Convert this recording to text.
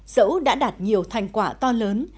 dẫu đã đạt nhiều thành quả to lớn